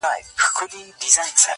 • د غوایانو په ښکرونو یې وهلي -